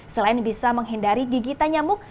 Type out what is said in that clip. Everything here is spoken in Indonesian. selain bisa menghindari gigitan nyamuk